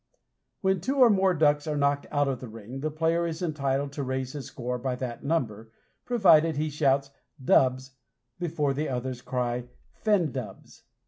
When two or more ducks are knocked out of the ring, the player is entitled to raise his score by that number, provided he shouts "Dubs" before the others cry "Fen dubs."